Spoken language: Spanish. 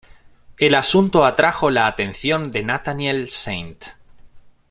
El asunto atrajo la atención de Nathaniel St.